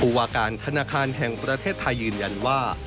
วาการธนาคารแห่งประเทศไทยยืนยันว่า